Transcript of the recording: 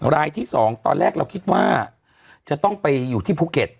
รายที่๒ตอนแรกเราคิดว่าจะต้องไปอยู่ที่ภูเก็ต